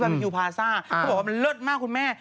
ปาเฟ็มคิวพาเซาเขาบอกว่าเลิศมากคุณแม่